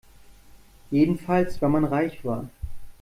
Jedenfalls wenn man reich war.